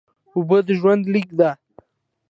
اوبه د ژوند لیکه ده